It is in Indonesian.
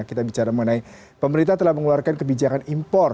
kita bicara mengenai pemerintah telah mengeluarkan kebijakan impor